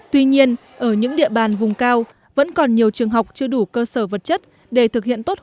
tuy nhiên ở những địa bàn vùng cao vẫn còn nhiều trường học chưa đủ cơ sở vật chất để thực hiện tốt